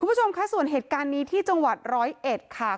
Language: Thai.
คุณผู้ชมค่ะส่วนเหตุการณ์นี้ที่จังหวัดร้อยเอ็ดค่ะ